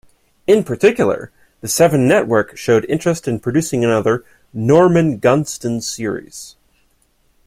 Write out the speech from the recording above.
In particular, the Seven Network showed interest in producing another "Norman Gunston" series.